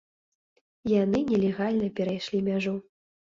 Яны нелегальна перайшлі мяжу.